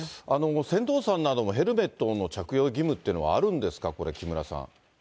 船頭さんなどもヘルメットの着用義務というのはあるんですか、これ、木村さん。